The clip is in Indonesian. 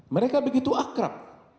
mereka begitu akrab